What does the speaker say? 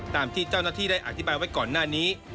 ตามที่เจ้าหน้าที่ได้อธิบายไว้ก่อนหน้านี้